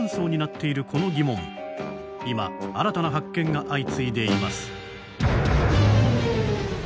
今新たな発見が相次いでいます。